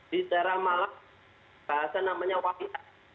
di daerah malam bahasa namanya wakilat